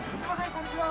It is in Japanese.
こんにちは